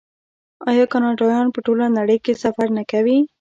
آیا کاناډایان په ټوله نړۍ کې سفر نه کوي؟